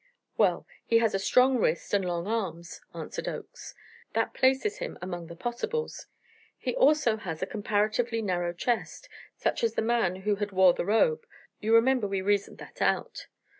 "Well, he has a strong wrist and long arms," answered Oakes "that places him among the possibles; he also has a comparatively narrow chest, such as the man had who wore the robe you remember we reasoned that out.